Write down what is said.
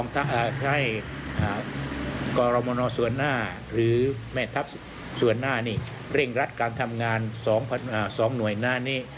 ถ้าให้กรมนส่วนหน้าหรือแม่ทัพส่วนหน้านี่เร่งรัดการทำงาน๒หน่วยหน้านี้